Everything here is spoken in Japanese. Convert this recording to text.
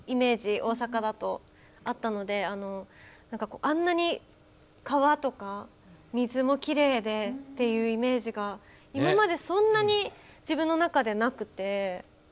大阪だとあったのであんなに川とか水もきれいでっていうイメージが今までそんなに自分の中でなくて行ってみたいなと。